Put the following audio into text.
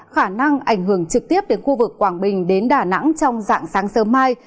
khả năng ảnh hưởng trực tiếp đến khu vực quảng bình đến đà nẵng trong dạng sáng sớm mai